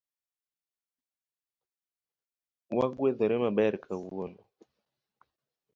Wagwedhore maber kawuono